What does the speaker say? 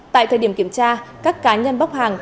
tại thời điểm kiểm tra các cá nhân bóc hàng